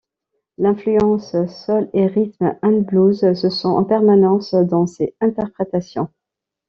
L'influence soul et rhythm and blues se sent en permanence dans ses interprétations.